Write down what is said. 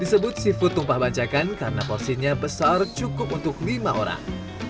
disebut seafood tumpah banjakan karena porsinya besar cukup untuk lima orang